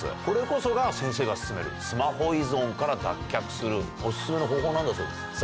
これこそが先生が薦めるスマホ依存から脱却するお薦めの方法なんだそうです。